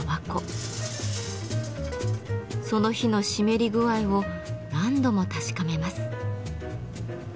その日の湿り具合を何度も確かめます。